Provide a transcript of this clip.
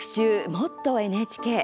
「もっとＮＨＫ」。